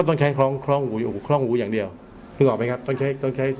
ต้องใช้คล้องคล่องหูคล่องหูอย่างเดียวนึกออกไหมครับต้องใช้ต้องใช้